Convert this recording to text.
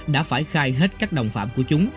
đã phải khai hết các đồng phạm của chúng